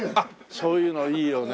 そういうのいいよね。